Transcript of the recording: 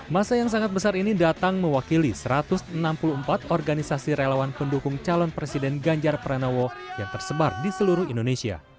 masa yang sangat besar ini datang mewakili satu ratus enam puluh empat organisasi relawan pendukung calon presiden ganjar pranowo yang tersebar di seluruh indonesia